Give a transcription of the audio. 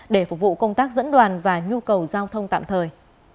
để phục vụ công tác dẫn đoàn và nhu cầu giao thông tạm thời